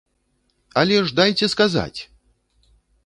Але ж дайце сказаць!